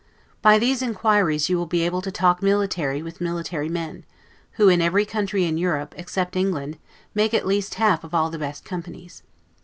By these inquiries you will be able to talk military with military men, who, in every country in Europe, except England, make at least half of all the best companies.